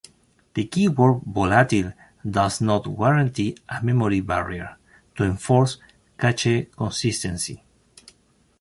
The keyword volatile "does not guarantee a memory barrier" to enforce cache-consistency.